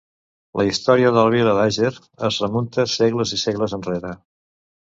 La història de la vila d'Àger es remunta segles i segles enrere.